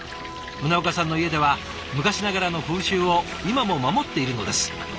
宗岡さんの家では昔ながらの風習を今も守っているのです。